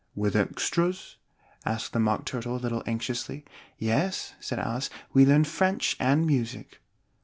"With extras?" asked the Mock Turtle a little anxiously. "Yes," said Alice, "we learned French and music."